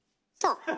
そう。